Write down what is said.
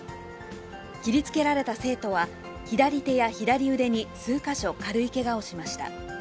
切りつけられた生徒は、左手や左腕に数か所、軽いけがをしました。